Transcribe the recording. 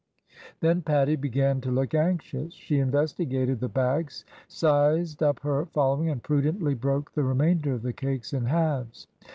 Then Pattie began to look anxious. She investigated the bag, sized up her following, and prudently broke the remainder of the cakes in halves.